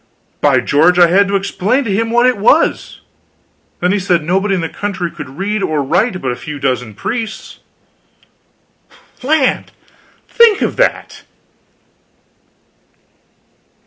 By George! I had to explain to him what it was. Then he said nobody in the country could read or write but a few dozen priests. Land! think of that.